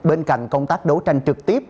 bên cạnh công tác đấu tranh trực tiếp